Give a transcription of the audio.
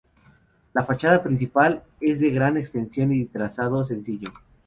La fachada principal es de gran extensión y de trazado sencillo.